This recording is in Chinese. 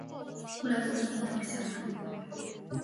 后来冯衍也投降了。